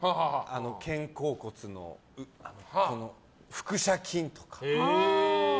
肩甲骨の腹斜筋とか。